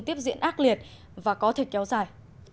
tiếp diễn ác liệt và có thể kéo dài